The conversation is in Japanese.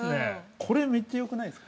◆これめっちゃよくないですか？